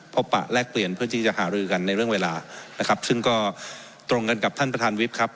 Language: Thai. ปะแลกเปลี่ยนเพื่อที่จะหารือกันในเรื่องเวลานะครับซึ่งก็ตรงกันกับท่านประธานวิทย์ครับ